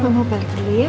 mama balik dulu ya